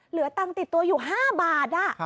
เหลือตังค์ติดตัวอยู่๕บาท